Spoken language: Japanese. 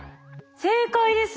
正解ですね。